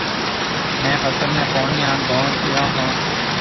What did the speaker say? ميه فصل نَي پوڻِي هانَ ڀوڻ ڏئيو هون۔